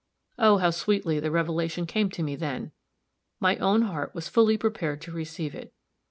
Oh, how sweetly the revelation came to me then! My own heart was fully prepared to receive it.